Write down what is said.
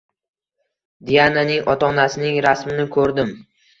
Diananing ota-onasining rasmini ko‘rdim...